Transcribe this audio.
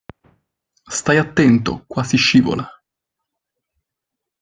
Stai attento, qua si scivola.